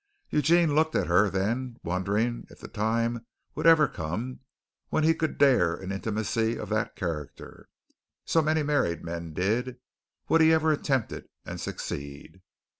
Eugene looked at her then, wondering if the time would ever come when he could dare an intimacy of that character. So many married men did. Would he ever attempt it and succeed?